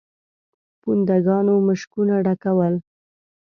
پونده ګانو مشکونه ډکول.